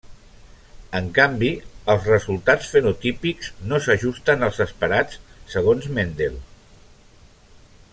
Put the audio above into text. En canvi, els resultats fenotípics no s'ajusten als esperats segons Mendel.